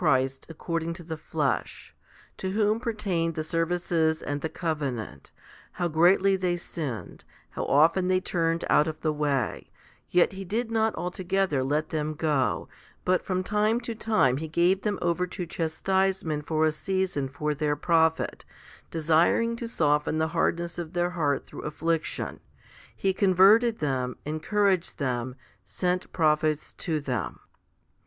ii. 4. a Rom. ii. 5. 32 FIFTY SPIRITUAL HOMILIES according to the flesh, to whom pertained the services and the covenant ; 1 how greatly they sinned, how often they turned out of the way, yet He did not altogether let them go, but from time to time He gave them over to chastise ments for a season for their profit, desiring to soften the hardness of their heart through affliction; He converted them, encouraged them, sent prophets to them.